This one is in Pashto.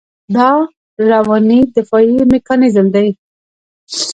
دا رواني دفاعي میکانیزم دی.